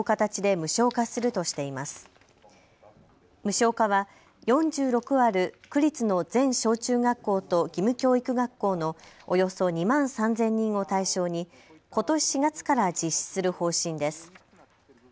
無償化は４６ある区立の全小中学校と義務教育学校のおよそ２万３０００人を対象にことし４月から実施する方針です。